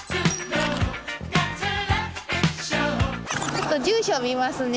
ちょっと住所見ますね。